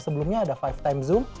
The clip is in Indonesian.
sebelumnya ada lima time zoom